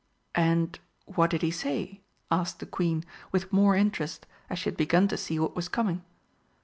"And what did he say?" asked the Queen, with more interest, as she had begun to see what was coming.